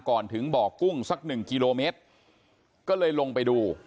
ก่อนถึงบ่อกุ้งสักหนึ่งกิโลเมตรก็เลยลงไปดู